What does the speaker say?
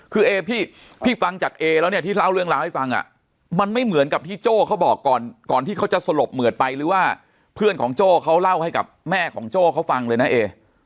คือเอพี่ฟังจากเอแล้วเนี่ยที่เล่าเรื่องราวให้ฟังมันไม่เหมือนกับที่โจ้เขาบอกก่อนก่อนที่เขาจะสลบเหมือดไปหรือว่าเพื่อนของโจ้เขาเล่าให้กับแม่ของโจ้เขาฟังเลยนะเอ